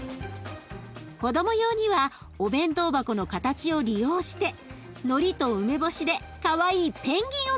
子ども用にはお弁当箱の形を利用してのりと梅干しでかわいいペンギンをつくりました。